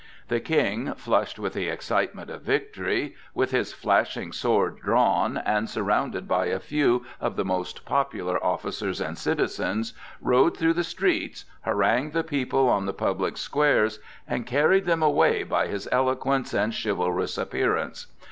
The King, flushed with the excitement of victory, with his flashing sword drawn, and surrounded by a few of the most popular officers and citizens, rode through the streets, harangued the people on the public squares, and carried them away by his eloquence and chivalrous appearance.